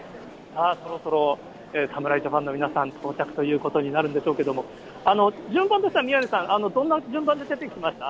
そろそろ侍ジャパンの皆さん、到着ということになるんでしょうけども、順番としては宮根さん、どんな順番で出てきました？